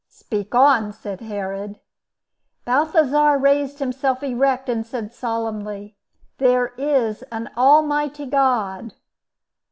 "Speak on," said Herod. Balthasar raised himself erect, and said, solemnly, "There is an Almighty God."